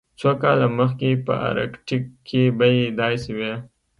څو کاله مخکې په ارکټیک کې بیې داسې وې